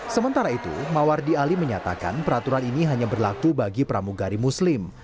sementara itu mawardi ali menyatakan peraturan ini hanya berlaku bagi pramugari muslim